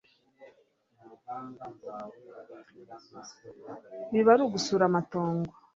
Biba ari ugusura amatongo